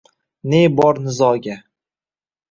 Ne bor nizoga!